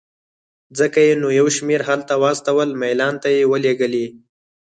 ځکه یې نو یو شمېر هلته واستول، میلان ته یې ولېږلې.